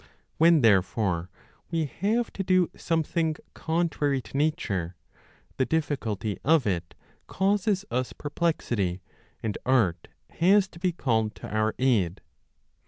When, therefore, we have to do something contrary to nature, the difficulty of it causes us perplexity and art has to be called to our aid.